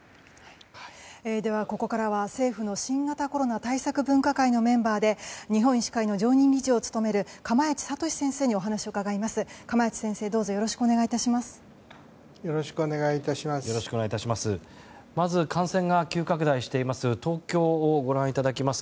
ここからは政府の新型コロナ対策会のメンバーで日本医師会の常任理事を務める釜萢敏先生にお話を伺います。